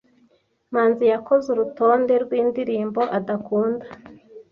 Manzi yakoze urutonde rwindirimbo adakunda.